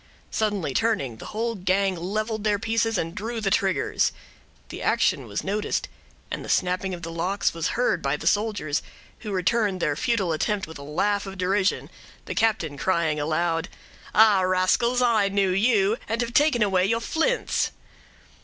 Suddenly turning, the whole gang leveled their pieces and drew the triggers. The action was noticed, and the snapping of the locks was heard by the soldiers, who returned their futile attempt with a laugh of derision, the captain crying aloud,— "Ah! rascals, I knew you, and have taken away your flints."